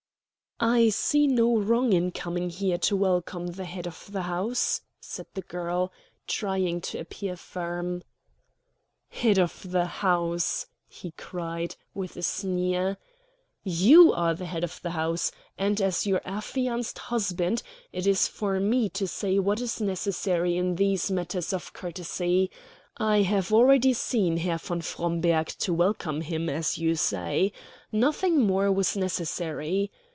"I see no wrong in coming here to welcome the head of the house," said the girl, trying to appear firm. "Head of the house," he cried, with a sneer. "You are the head of the house, and, as your affianced husband, it is for me to say what is necessary in these matters of courtesy. I have already seen Herr von Fromberg to welcome him, as you say. Nothing more was necessary.